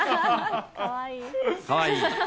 かわいい。